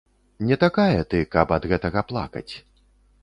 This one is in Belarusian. Не такая ты, каб ад гэтага плакаць.